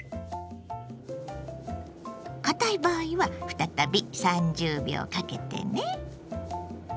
堅い場合は再び３０秒かけてね。